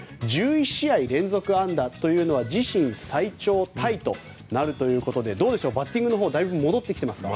１１試合連続安打というのは自身最長タイとなるということでどうでしょうバッティングのほうだいぶ戻ってきてますか？